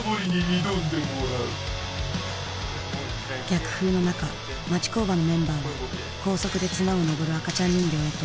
逆風の中町工場のメンバーは高速で綱を登る赤ちゃん人形へと魔改造していった。